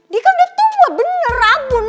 dia kan udah tua bener ampun